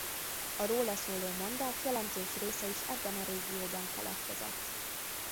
A róla szóló mondák jelentős része is ebben a régióban keletkezett.